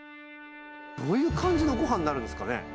どういう感じのごはんになるんですかね？